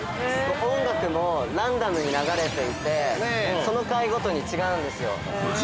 音楽もランダムに流れていてその回ごとに違うんですよ。